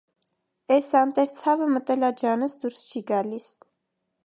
Էս անտեր ցավը մտել ա ջանս, դուրս չի գալիս: